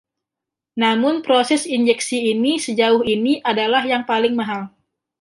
Namun proses injeksi ini sejauh ini adalah yang paling mahal.